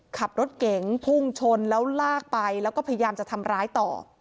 ขับรถเก๋งพุ่งชนแล้วลากไปแล้วก็พยายามจะทำร้ายต่อ